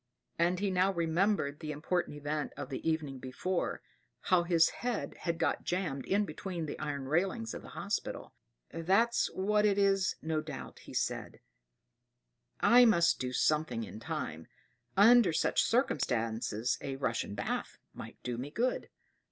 And he now remembered the important event of the evening before, how his head had got jammed in between the iron railings of the hospital. "That's what it is, no doubt," said he. "I must do something in time: under such circumstances a Russian bath might do me good.